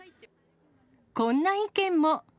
こんな意見も。